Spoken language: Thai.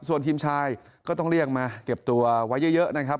ส่วนทีมชายก็ต้องเรียกมาเก็บตัวไว้เยอะนะครับ